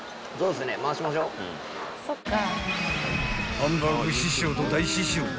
［ハンバーグ師匠と大師匠は］